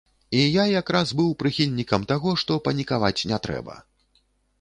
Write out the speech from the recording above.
І я як раз быў прыхільнікам таго, што панікаваць не трэба.